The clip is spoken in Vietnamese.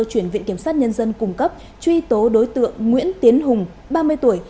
chuyển viện kiểm sát nhân dân cung cấp truy tố đối tượng nguyễn tiến hùng ba mươi tuổi